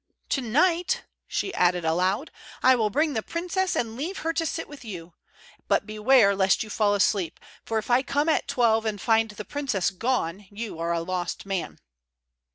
"To night," she added aloud, "I will bring the princess and leave her to sit with you; but beware lest you fall asleep, for if I come at twelve and find the princess gone, you are a lost man!"